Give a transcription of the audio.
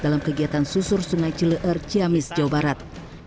dalam kegiatan susur sungai cileer ciamis jawa barat